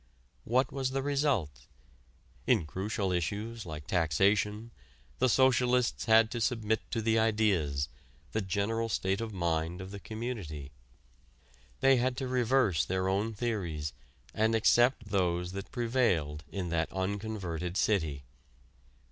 What was the result? In crucial issues, like taxation, the Socialists had to submit to the ideas, the general state of mind of the community. They had to reverse their own theories and accept those that prevailed in that unconverted city.